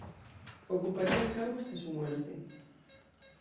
Ocuparía el cargo hasta su muerte.